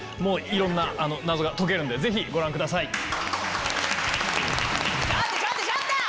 いろんな謎が解けるんでぜひご覧ください。